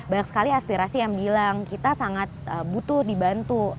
banyak sekali aspirasi yang bilang kita sangat butuh dibantu